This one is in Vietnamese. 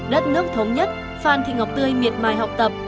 đất nước thống nhất phan thị ngọc tươi miệt mài học tập